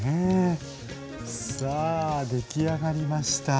さあできあがりました。